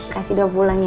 kasih dah pulang ya